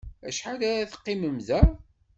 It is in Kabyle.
Acḥal ara teqqimem da?